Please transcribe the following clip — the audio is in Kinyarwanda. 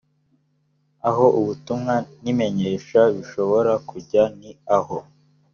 aho ubutumwa n’imenyesha bishobora kujya ni aho